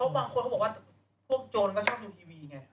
บางคนเขาบอกว่าพวกโจรก็ชอบดูทีวีไง